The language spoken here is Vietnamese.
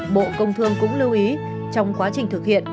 bộ công thương cũng lưu ý trong quá trình thực hiện